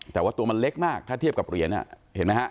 แต่ว่าตัวมันเล็กมากถ้าเทียบกับเหรียญเห็นไหมฮะ